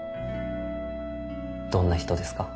どんな人ですか？